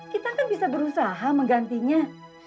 kita kan bisa berusaha menggantinya